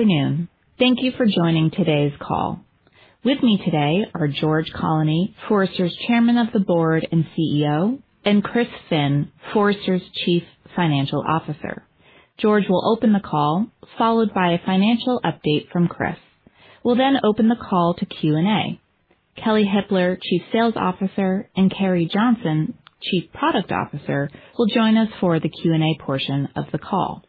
Afternoon. Thank you for joining today's call. With me today are George Colony, Forrester's Chairman of the Board and CEO, and Chris Finn, Forrester's Chief Financial Officer. George will open the call, followed by a financial update from Chris. We'll then open the call to Q&A. Kelley Hippler, Chief Sales Officer, and Carrie Johnson, Chief Product Officer, will join us for the Q&A portion of the call.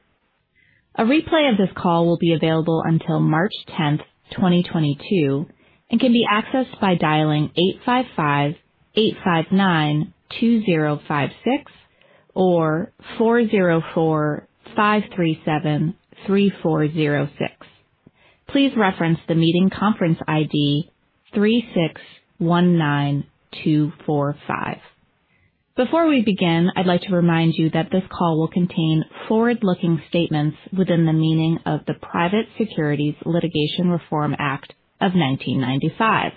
A replay of this call will be available until March 10th, 2022, and can be accessed by dialing 855-859-2056 or 404-537-3406. Please reference the meeting conference ID 3619245. Before we begin, I'd like to remind you that this call will contain forward-looking statements within the meaning of the Private Securities Litigation Reform Act of 1995.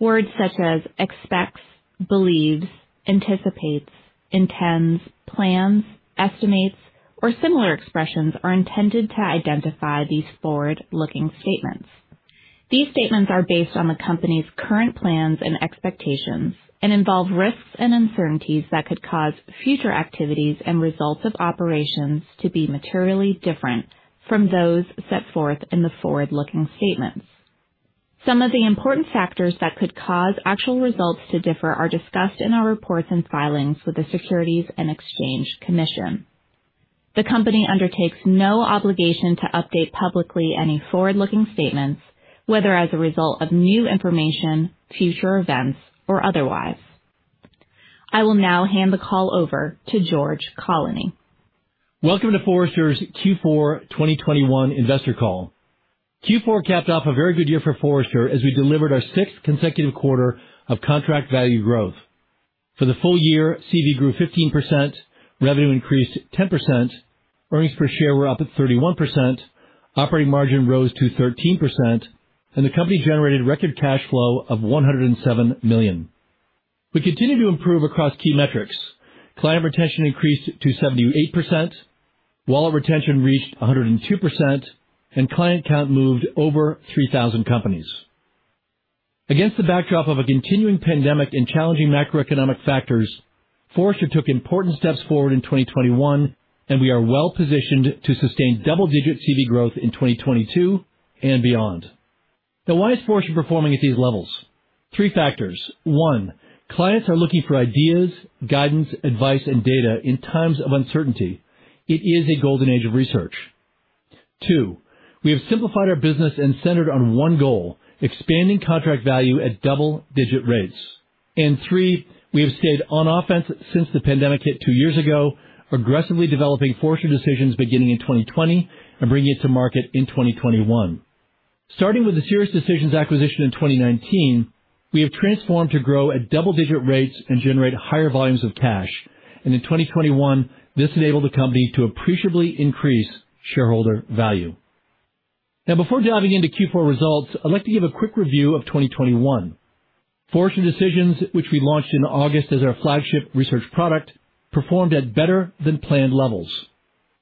Words such as expects, believes, anticipates, intends, plans, estimates, or similar expressions are intended to identify these forward-looking statements. These statements are based on the company's current plans and expectations and involve risks and uncertainties that could cause future activities and results of operations to be materially different from those set forth in the forward-looking statements. Some of the important factors that could cause actual results to differ are discussed in our reports and filings with the Securities and Exchange Commission. The company undertakes no obligation to update publicly any forward-looking statements, whether as a result of new information, future events or otherwise. I will now hand the call over to George Colony. Welcome to Forrester's Q4 2021 investor call. Q4 capped off a very good year for Forrester as we delivered our sixth consecutive quarter of contract value growth. For the full year, CV grew 15%, revenue increased 10%, earnings per share were up at 31%, operating margin rose to 13%, and the company generated record cash flow of $107 million. We continue to improve across key metrics. Client retention increased to 78%, wallet retention reached 102%, and client count moved over 3,000 companies. Against the backdrop of a continuing pandemic and challenging macroeconomic factors, Forrester took important steps forward in 2021, and we are well positioned to sustain double-digit CV growth in 2022 and beyond. Now, why is Forrester performing at these levels? Three factors. One, clients are looking for ideas, guidance, advice, and data in times of uncertainty. It is a golden age of research. Two, we have simplified our business and centered on one goal, expanding contract value at double-digit rates. Three, we have stayed on offense since the pandemic hit two years ago, aggressively developing Forrester Decisions beginning in 2020 and bringing it to market in 2021. Starting with the SiriusDecisions acquisition in 2019, we have transformed to grow at double-digit rates and generate higher volumes of cash. In 2021, this enabled the company to appreciably increase shareholder value. Now, before diving into Q4 results, I'd like to give a quick review of 2021. Forrester Decisions, which we launched in August as our flagship research product, performed at better than planned levels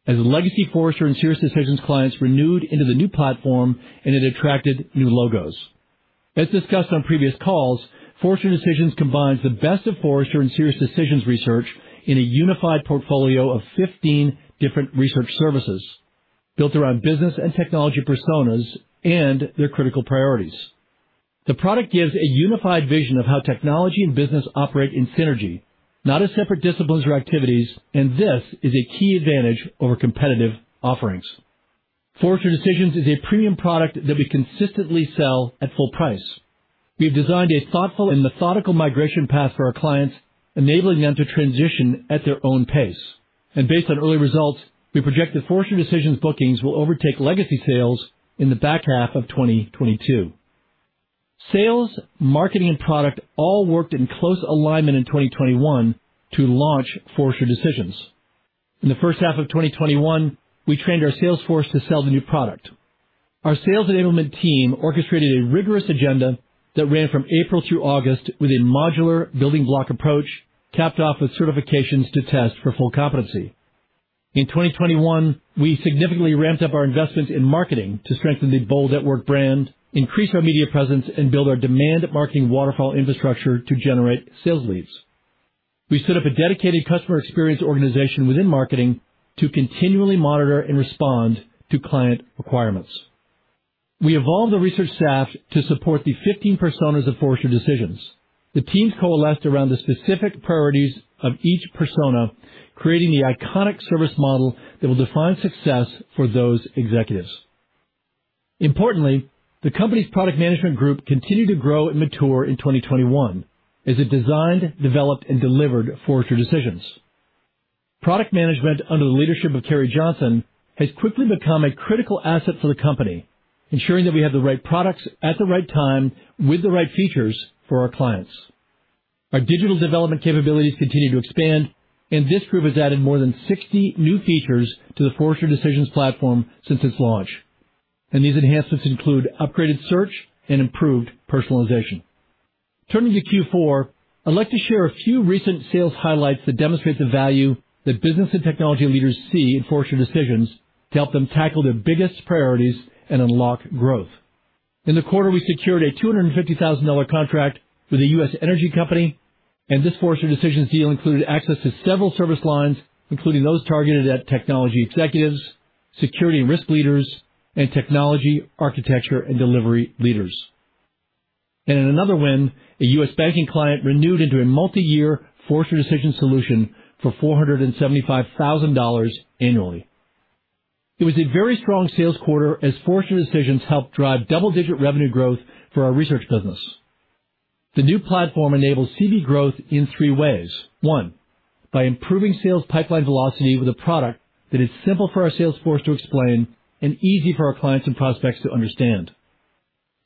as legacy Forrester and SiriusDecisions clients renewed into the new platform, and it attracted new logos. As discussed on previous calls, Forrester Decisions combines the best of Forrester and SiriusDecisions research in a unified portfolio of 15 different research services built around business and technology personas and their critical priorities. The product gives a unified vision of how technology and business operate in synergy, not as separate disciplines or activities, and this is a key advantage over competitive offerings. Forrester Decisions is a premium product that we consistently sell at full price. We've designed a thoughtful and methodical migration path for our clients, enabling them to transition at their own pace. Based on early results, we project that Forrester Decisions bookings will overtake legacy sales in the back half of 2022. Sales, marketing, and product all worked in close alignment in 2021 to launch Forrester Decisions. In the first half of 2021, we trained our sales force to sell the new product. Our sales enablement team orchestrated a rigorous agenda that ran from April through August with a modular building block approach, capped off with certifications to test for full competency. In 2021, we significantly ramped up our investment in marketing to strengthen the Bold Network brand, increase our media presence, and build our demand marketing waterfall infrastructure to generate sales leads. We set up a dedicated customer experience organization within marketing to continually monitor and respond to client requirements. We evolved the research staff to support the 15 personas of Forrester Decisions. The teams coalesced around the specific priorities of each persona, creating the iconic service model that will define success for those executives. Importantly, the company's product management group continued to grow and mature in 2021 as it designed, developed, and delivered Forrester Decisions. Product management, under the leadership of Carrie Johnson, has quickly become a critical asset for the company, ensuring that we have the right products at the right time with the right features for our clients. Our digital development capabilities continue to expand, and this group has added more than 60 new features to the Forrester Decisions platform since its launch. These enhancements include upgraded search and improved personalization. Turning to Q4, I'd like to share a few recent sales highlights that demonstrate the value that business and technology leaders see in Forrester Decisions to help them tackle their biggest priorities and unlock growth. In the quarter, we secured a $250,000 contract with a U.S. energy company, and this Forrester Decisions deal included access to several service lines, including those targeted at technology executives, security and risk leaders, and technology, architecture, and delivery leaders. In another win, a U.S. banking client renewed into a multi-year Forrester Decisions solution for $475,000 annually. It was a very strong sales quarter as Forrester Decisions helped drive double-digit revenue growth for our research business. The new platform enables CV growth in three ways. One, by improving sales pipeline velocity with a product that is simple for our sales force to explain and easy for our clients and prospects to understand.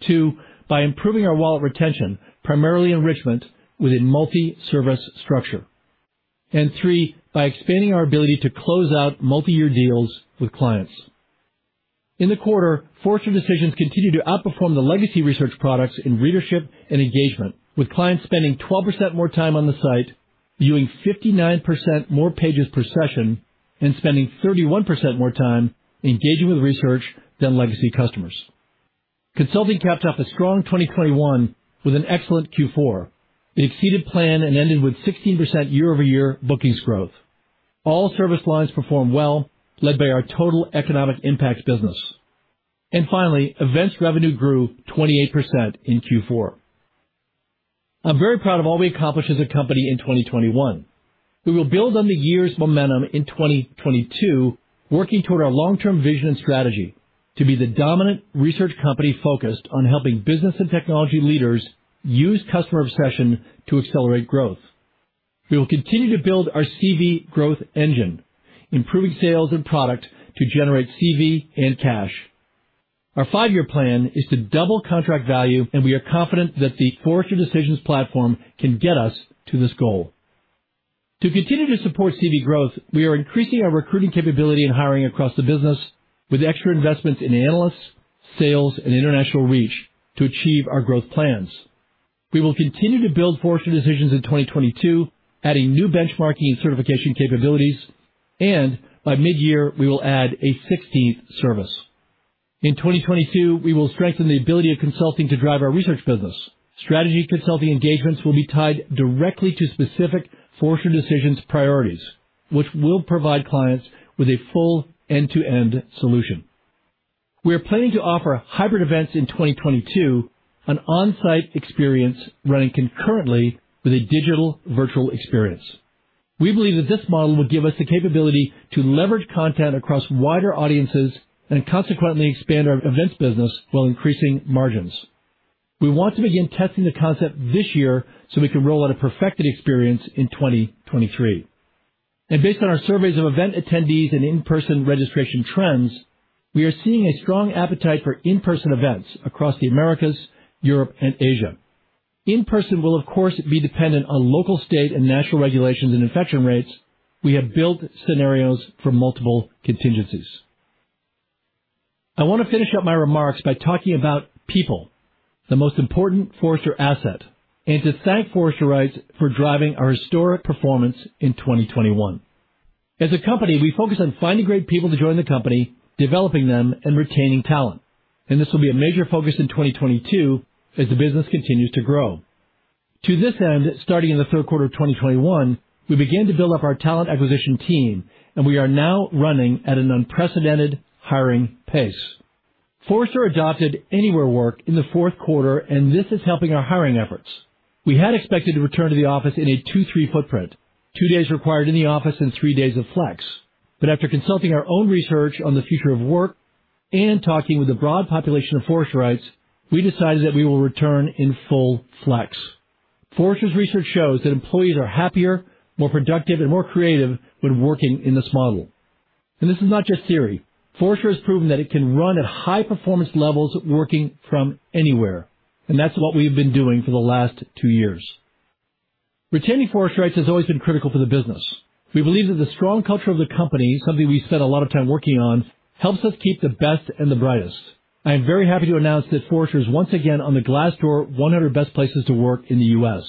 Two, by improving our wallet retention, primarily enrichment with a multi-service structure. Three, by expanding our ability to close out multi-year deals with clients. In the quarter, Forrester Decisions continued to outperform the legacy research products in readership and engagement, with clients spending 12% more time on the site, viewing 59% more pages per session, and spending 31% more time engaging with research than legacy customers. Consulting capped off a strong 2021 with an excellent Q4. It exceeded plan and ended with 16% year-over-year bookings growth. All service lines performed well, led by our total economic impact business. Finally, events revenue grew 28% in Q4. I'm very proud of all we accomplished as a company in 2021. We will build on the year's momentum in 2022, working toward our long-term vision and strategy to be the dominant research company focused on helping business and technology leaders use customer obsession to accelerate growth. We will continue to build our CV growth engine, improving sales and product to generate CV and cash. Our five-year plan is to double contract value, and we are confident that the Forrester Decisions platform can get us to this goal. To continue to support CV growth, we are increasing our recruiting capability and hiring across the business with extra investments in analysts, sales, and international reach to achieve our growth plans. We will continue to build Forrester Decisions in 2022, adding new benchmarking and certification capabilities, and by mid-year, we will add a sixteenth service. In 2022, we will strengthen the ability of consulting to drive our research business. Strategy consulting engagements will be tied directly to specific Forrester Decisions priorities, which will provide clients with a full end-to-end solution. We are planning to offer hybrid events in 2022, an on-site experience running concurrently with a digital virtual experience. We believe that this model will give us the capability to leverage content across wider audiences and consequently expand our events business while increasing margins. We want to begin testing the concept this year, so we can roll out a perfected experience in 2023. Based on our surveys of event attendees and in-person registration trends, we are seeing a strong appetite for in-person events across the Americas, Europe, and Asia. In person will of course be dependent on local state and national regulations and infection rates. We have built scenarios for multiple contingencies. I want to finish up my remarks by talking about people, the most important Forrester asset, and to thank Forresterites for driving our historic performance in 2021. As a company, we focus on finding great people to join the company, developing them, and retaining talent. This will be a major focus in 2022 as the business continues to grow. To this end, starting in the third quarter of 2021, we began to build up our talent acquisition team, and we are now running at an unprecedented hiring pace. Forrester adopted anywhere work in the fourth quarter, and this is helping our hiring efforts. We had expected to return to the office in a two, three footprint, two days required in the office and three days of flex. But after consulting our own research on the future of work and talking with a broad population of Forresterites, we decided that we will return in full flex. Forrester's research shows that employees are happier, more productive, and more creative when working in this model. This is not just theory. Forrester has proven that it can run at high performance levels working from anywhere, and that's what we've been doing for the last two years. Retaining Forresterites has always been critical for the business. We believe that the strong culture of the company, something we've spent a lot of time working on, helps us keep the best and the brightest. I am very happy to announce that Forrester is once again on the Glassdoor 100 Best Places to Work in the U.S.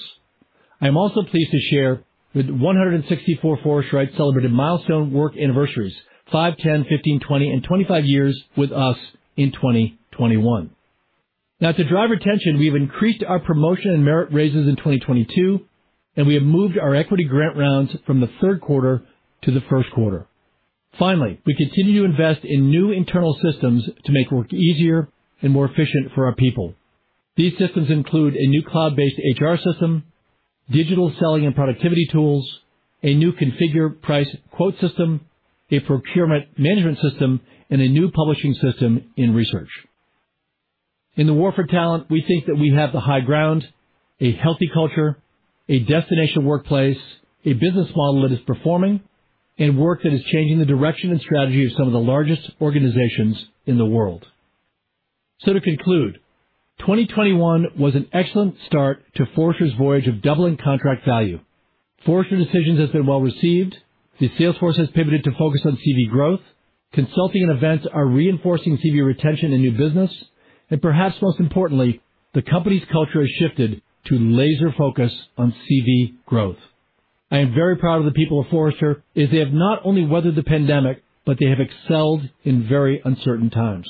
I am also pleased to share that 164 Forresterites celebrated milestone work anniversaries, 5, 10, 15, 20, and 25 years with us in 2021. Now, to drive retention, we have increased our promotion and merit raises in 2022, and we have moved our equity grant rounds from the third quarter to the first quarter. Finally, we continue to invest in new internal systems to make work easier and more efficient for our people. These systems include a new cloud-based HR system, digital selling and productivity tools, a new configure price quote system, a procurement management system, and a new publishing system in research. In the war for talent, we think that we have the high ground, a healthy culture, a destination workplace, a business model that is performing, and work that is changing the direction and strategy of some of the largest organizations in the world. To conclude, 2021 was an excellent start to Forrester's voyage of doubling contract value. Forrester Decisions has been well received. The sales force has pivoted to focus on CV growth. Consulting and events are reinforcing CV retention and new business. Perhaps most importantly, the company's culture has shifted to laser-focus on CV growth. I am very proud of the people of Forrester as they have not only weathered the pandemic, but they have excelled in very uncertain times.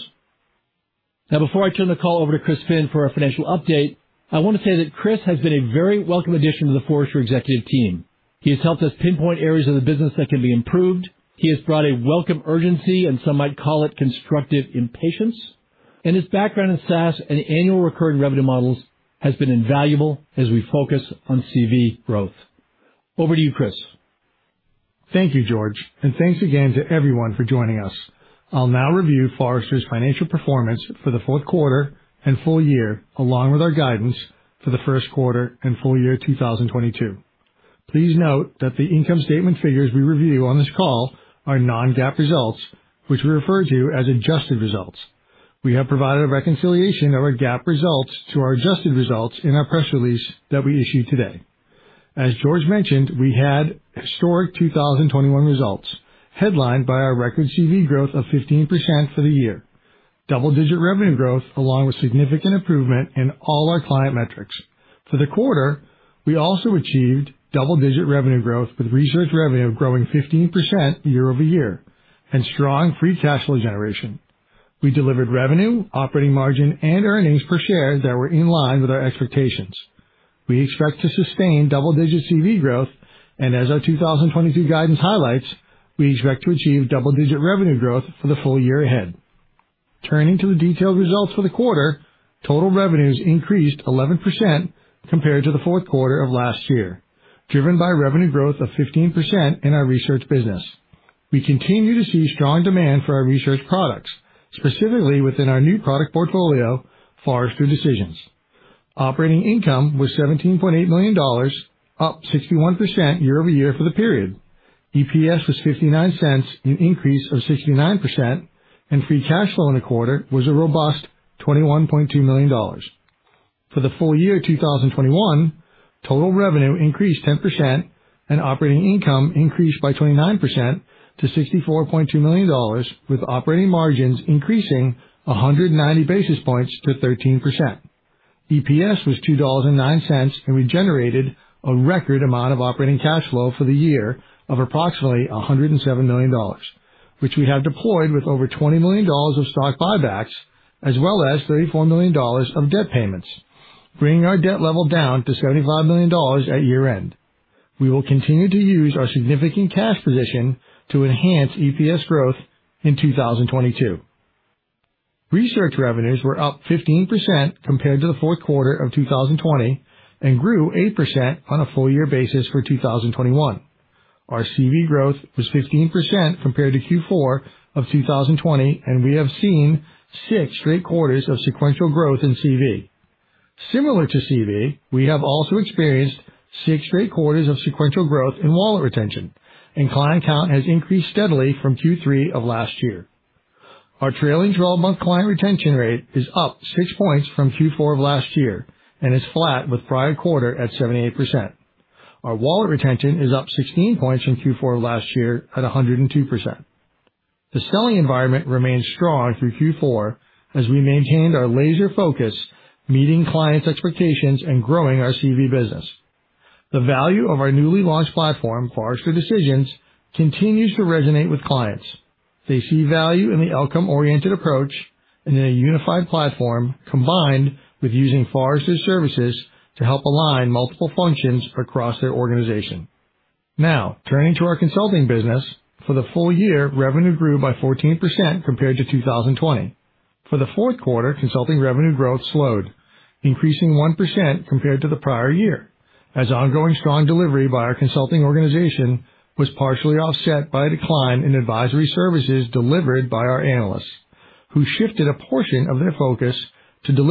Now before I turn the call over to Chris Finn for our financial update, I wanna say that Chris has been a very welcome addition to the Forrester executive team. He has helped us pinpoint areas of the business that can be improved. He has brought a welcome urgency, and some might call it constructive impatience. His background in SaaS and annual recurring revenue models has been invaluable as we focus on CV growth. Over to you, Chris. Thank you, George. Thanks again to everyone for joining us. I'll now review Forrester's financial performance for the fourth quarter and full year, along with our guidance for the first quarter and full year 2022. Please note that the income statement figures we review on this call are non-GAAP results, which we refer to as adjusted results. We have provided a reconciliation of our GAAP results to our adjusted results in our press release that we issued today. As George mentioned, we had historic 2021 results, headlined by our record CV growth of 15% for the year. Double-digit revenue growth, along with significant improvement in all our client metrics. For the quarter, we also achieved double-digit revenue growth, with research revenue growing 15% year-over-year, and strong free cash flow generation. We delivered revenue, operating margin, and earnings per share that were in line with our expectations. We expect to sustain double-digit CV growth, and as our 2022 guidance highlights, we expect to achieve double-digit revenue growth for the full year ahead. Turning to the detailed results for the quarter, total revenues increased 11% compared to the fourth quarter of last year, driven by revenue growth of 15% in our research business. We continue to see strong demand for our research products, specifically within our new product portfolio, Forrester Decisions. Operating income was $17.8 million, up 61% year-over-year for the period. EPS was $0.59, an increase of 69%, and free cash flow in the quarter was a robust $21.2 million. For the full year 2021, total revenue increased 10%, and operating income increased by 29% to $64.2 million, with operating margins increasing 190 basis points to 13%. EPS was $2.09, and we generated a record amount of operating cash flow for the year of approximately $107 million, which we have deployed with over $20 million of stock buybacks as well as $34 million of debt payments, bringing our debt level down to $75 million at year-end. We will continue to use our significant cash position to enhance EPS growth in 2022. Research revenues were up 15% compared to the fourth quarter of 2020, and grew 8% on a full year basis for 2021. Our CV growth was 15% compared to Q4 of 2020, and we have seen six straight quarters of sequential growth in CV. Similar to CV, we have also experienced six straight quarters of sequential growth in wallet retention, and client count has increased steadily from Q3 of last year. Our trailing 12-month client retention rate is up six points from Q4 of last year and is flat with prior quarter at 78%. Our wallet retention is up 16 points from Q4 last year at 102%. The selling environment remained strong through Q4 as we maintained our laser focus, meeting clients' expectations and growing our CV business. The value of our newly launched platform, Forrester Decisions, continues to resonate with clients. They see value in the outcome-oriented approach and in a unified platform, combined with using Forrester's services to help align multiple functions across their organization. Now, turning to our consulting business. For the full year, revenue grew by 14% compared to 2020. For the fourth quarter, consulting revenue growth slowed, increasing 1% compared to the prior year, as ongoing strong delivery by our consulting organization was partially offset by a decline in advisory services delivered by our analysts, who shifted a portion of their focus to delivering